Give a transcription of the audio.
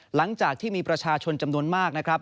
หลังจากที่มีประชาชนจำนวนมากนะครับ